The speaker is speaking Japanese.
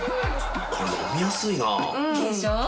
これ飲みやすいなでしょ？